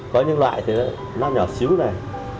có những loại thì nó nhỏ xíu này